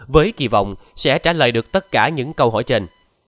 với kỳ vọng sẽ trả lời được tất cả những câu hỏi trên